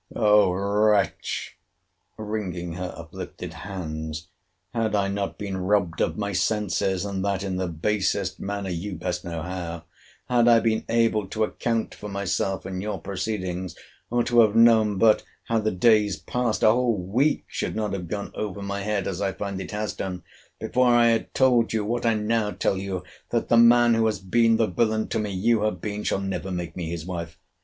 O wretch! wringing her uplifted hands, had I not been robbed of my senses, and that in the basest manner—you best know how—had I been able to account for myself, and your proceedings, or to have known but how the days passed—a whole week should not have gone over my head, as I find it has done, before I had told you, what I now tell you—That the man who has been the villain to me you have been, shall never make me his wife.